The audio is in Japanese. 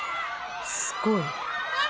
すごい。